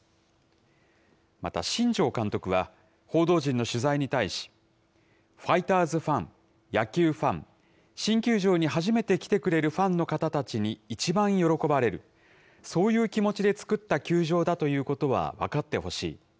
また、新庄監督は報道陣の取材に対し、ファイターズファン、野球ファン、新球場に初めて来てくれるファンの方たちに、一番喜ばれる、そういう気持ちで造った球場だということは分かってほしい。